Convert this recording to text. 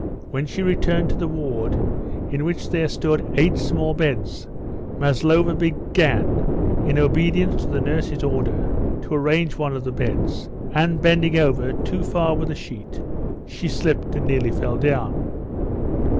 When she returned to the ward, in which there stood eight small beds, Maslova began, in obedience to the nurse's order, to arrange one of the beds; and, bending over too far with the sheet, she slipped and nearly fell down.